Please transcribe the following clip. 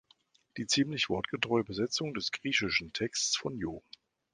Die ziemlich wortgetreue Übersetzung des griechischen Texts von Joh.